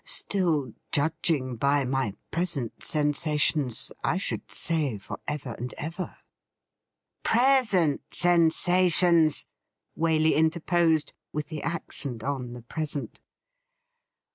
Still, judging by my present sensations, I should say for ever and ever ''' Present sensations !' Waley interposed, with the accent on the 'present.'